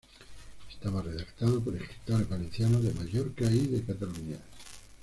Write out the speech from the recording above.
Estaba redactado por escritores valencianos, de Mallorca y de Cataluña.